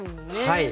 はい。